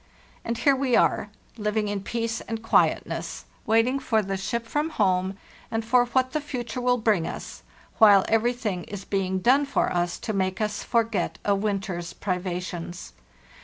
And here we are, living in peace and quietness, waiting for the ship from home and for what the future will bring us, while everything is being done for us to make us forget a winter's privations.